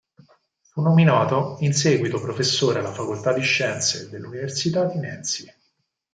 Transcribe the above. Fu nominato in seguito professore alla facoltà di scienze dell'università di Nancy.